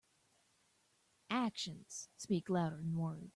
Actions speak louder than words.